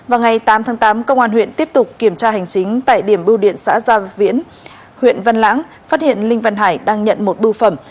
vào ngày tám tháng tám công an huyện tiếp tục kiểm tra hành chính tại điểm bưu điện xã gia viễn huyện văn lãng phát hiện linh văn hải đang nhận một bưu phẩm